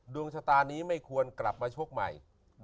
ดวงชะตานี้ไม่ควรกลับมาชกใหม่